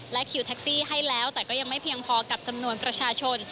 คิวแท็กซี่ให้แล้วแต่ก็ยังไม่เพียงพอกับจำนวนประชาชน